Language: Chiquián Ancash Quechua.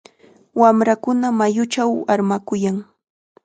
Wamrakuna mayuchaw armakuyan.